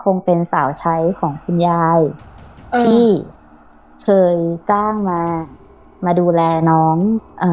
เป็นสาวใช้ของคุณยายที่เคยจ้างมามาดูแลน้องเอ่อ